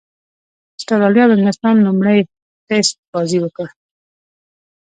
اسټراليا او انګليستان لومړۍ ټېسټ بازي وکړه.